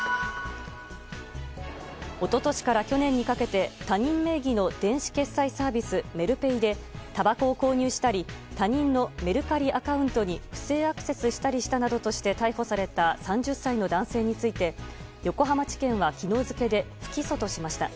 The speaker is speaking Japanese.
一昨年から去年にかけて他人名義の電子決済サービス、メルペイでたばこを購入したり他人のメルカリアカウントに不正アクセスしたりしたなどとして逮捕された３０歳の男性について横浜地検は昨日付で不起訴としました。